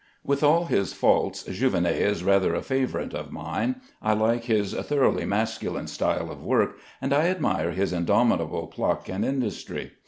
With all his faults, Jouvenet is rather a favorite of mine. I like his thoroughly masculine style of work, and I admire his indomitable pluck and industry.